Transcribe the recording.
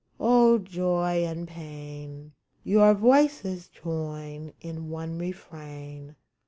O joy and Pain, Your voices join in one refrain